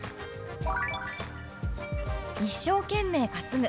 「一生懸命担ぐ」。